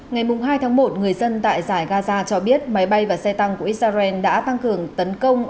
ngày hai tháng một người dân tại giải gaza cho biết máy bay và xe tăng của israel đã tăng cường tấn công